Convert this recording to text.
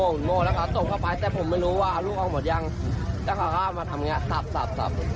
นัดที่๓ครับ